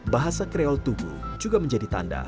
bahasa kreol tugu juga menjadi tanda